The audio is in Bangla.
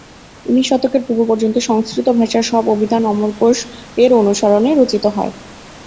উনিশ শতকের পূর্ব পর্যন্ত সংস্কৃত ভাষার সব অভিধান অমরকোষ-এর অনুসরণে রচিত হয়।